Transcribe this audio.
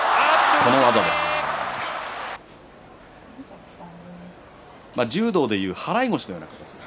この技です。